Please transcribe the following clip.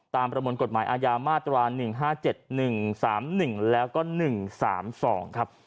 ประมวลกฎหมายอาญามาตรา๑๕๗๑๓๑แล้วก็๑๓๒ครับ